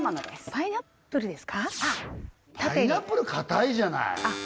パイナップルかたいじゃないあっ